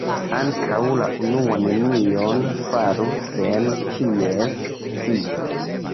Ankaŭ la unua nenion faru sen ĉies scio.